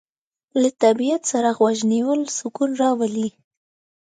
له طبیعت سره غوږ نیول سکون راولي.